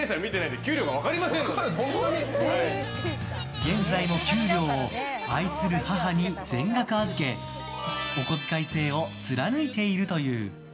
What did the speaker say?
現在も給料を愛する母に全額預けお小遣い制を貫いているという。